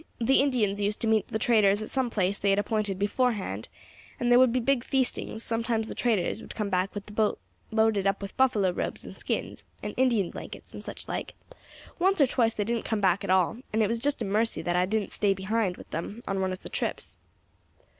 The Indians used to meet the traders at some place they had appointed beforehand, and there would be big feastings; sometimes the traders would come back with the boat loaded up with buffalo robes and skins, and Indian blankets, and such like; once or twice they didn't come back at all, and it was just a mercy that I didn't stay behind with them on one of the trips.